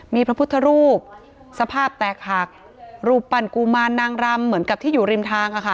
มีพระพุทธรูปสภาพแตกหักรูปปั่นกุมารนางรำเหมือนกับที่อยู่ริมทางอะค่ะ